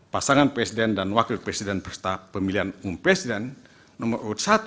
pasangan presiden dan wakil presiden pemilihan umum presiden nomor urut satu